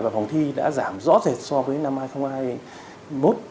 và phòng thi đã giảm rõ rệt so với năm hai nghìn hai mươi một